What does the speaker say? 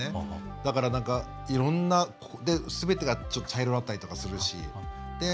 だから、すべてが茶色だったりとかするし。